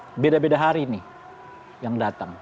itu beda beda hari nih yang datang